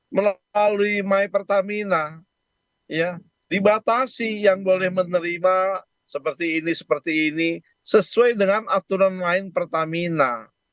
melalui my pertamina dibatasi yang boleh menerima seperti ini seperti ini sesuai dengan aturan lain pertamina